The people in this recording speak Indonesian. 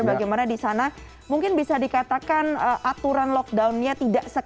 bagaimana di sana mungkin bisa dikatakan aturan lockdown nya tidak sengaja